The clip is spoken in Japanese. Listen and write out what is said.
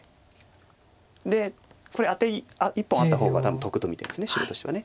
でこれアテ１本あった方が多分得と見てるんです白としては。